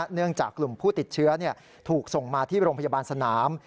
เนื่องจากกลุ่มผู้ติดเชื้อถูกส่งมาที่โรงพยาบาลสนาม